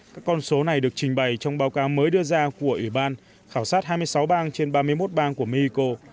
các con số này được trình bày trong báo cáo mới đưa ra của ủy ban khảo sát hai mươi sáu bang trên ba mươi một bang của mexico